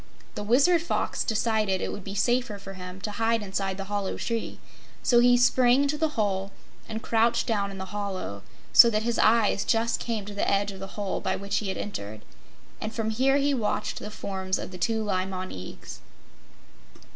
The Wizard Fox decided it would be safer for him to hide inside the hollow tree, so he sprang into the hole and crouched down in the hollow, so that his eyes just came to the edge of the hole by which he had entered, and from here he watched the forms of the two Li Mon Eags.